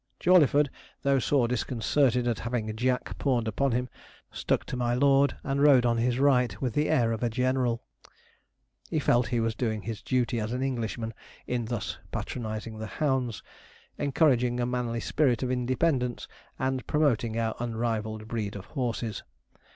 Jawleyford, though sore disconcerted at having 'Jack' pawned upon him, stuck to my lord, and rode on his right with the air of a general. He felt he was doing his duty as an Englishman in thus patronizing the hounds encouraging a manly spirit of independence, and promoting our unrivalled breed of horses.